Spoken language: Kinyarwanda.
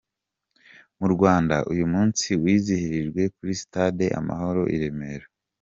Mu Rwanda uyu munsi wizihirijwe kuri Sitade Amahoro I Remera.